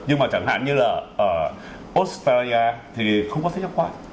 nhưng mà chẳng hạn như là ở osfaya thì không có sách giáo khoa